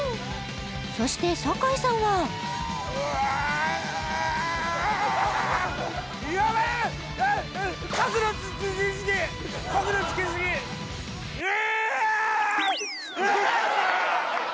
そして酒井さんはうわヤベえ！